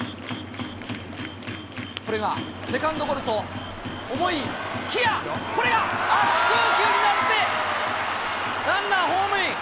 これがセカンドゴロと思いきや、これは悪送球になって、ランナーホームイン。